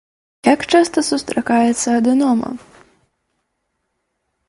Як часта сустракаецца адэнома?